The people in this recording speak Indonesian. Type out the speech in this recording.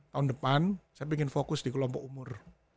tahun depan saya ingin fokus di kelompok umur